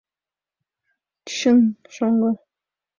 Чын, шоҥго!